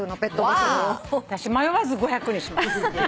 私迷わず５００にします。